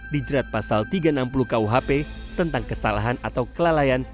dijerat pasal tiga ratus enam puluh kuhp tentang kesalahan atau kelalaian